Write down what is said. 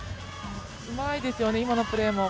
うまいですよね、今のプレーも。